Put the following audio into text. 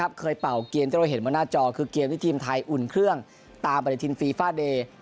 เคยเป่าเกมที่เราเห็นบนหน้าจอคือเกมที่ทีมไทยอุ่นเครื่องตามปฏิทินฟีฟาเดย์